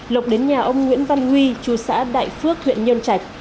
lộc đến nhà ông nguyễn văn huy chú xã đại phước huyện nhân trạch